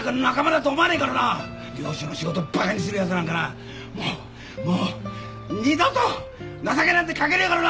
漁師の仕事バカにするヤツなんかなもうもう二度と情けなんてかけねえからな。